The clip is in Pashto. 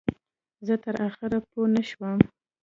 زه تر آخره پوی نه شوم.